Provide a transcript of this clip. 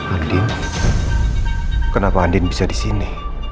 andien kenapa andien bisa disini